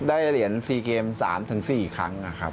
ได้เหรียญ๔เกม๓๔ครั้งนะครับ